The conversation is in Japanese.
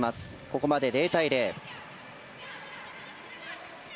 ここまで０対０。